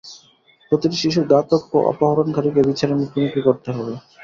প্রতিটি শিশুর ঘাতক ও অপহরণকারীকে বিচারের মুখোমুখি করতে হবে।